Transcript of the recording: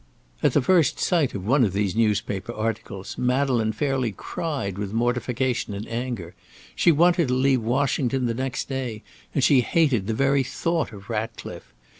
At the first sight of one of these newspaper articles, Madeleine fairly cried with mortification and anger. She wanted to leave Washington the next day, and she hated the very thought of Ratcliffe.